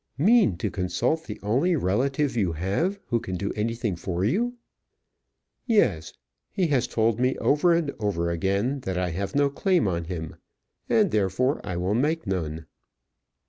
"Mean to consult the only relative you have who can do anything for you?" "Yes. He has told me over and over again that I have no claim on him; and, therefore, I will make none."